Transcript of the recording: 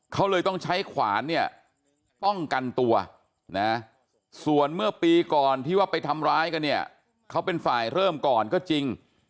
เขาเลยต้องใช้ขวานเนี่ยป้องกันตัวนะส่วนเมื่อปีก่อนที่ว่าไปทำร้ายกันเนี่ยเขาเป็นฝ่ายเริ่มก่อนก็จริง